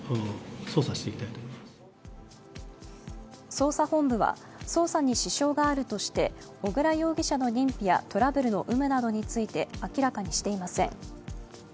捜査本部は捜査に支障があるとして小倉容疑者の認否やトラブルの有無などについて明らかにしていません。